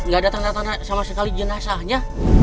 gak ada tanda tanda sama sekali jenazahnya